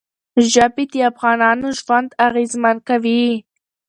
ژبې د افغانانو ژوند اغېزمن کوي.